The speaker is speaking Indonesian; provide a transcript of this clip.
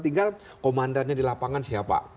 tinggal komandannya di lapangan siapa